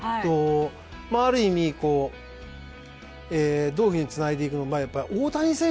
ある意味、どういうふうにつないでいくか大谷選手